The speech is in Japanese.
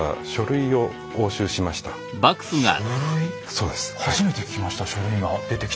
そうです。